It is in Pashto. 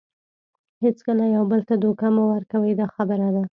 هیڅکله یو بل ته دوکه مه ورکوئ دا خبره ده.